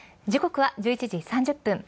時刻は１１時３０分。